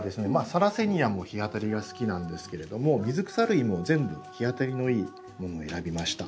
サラセニアも日当たりが好きなんですけれども水草類も全部日当たりのいいものを選びました。